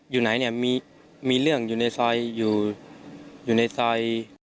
อยู่ไหนมีเรื่องอยู่ในทราย